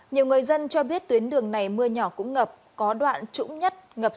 nhiều người dân cho biết tuyến đường này mưa nhỏ cũng ngập có đoạn trũng nhất ngập